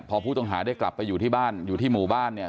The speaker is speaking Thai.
พอผู้ต้องหาได้กลับไปอยู่ที่บ้านอยู่ที่หมู่บ้านเนี่ย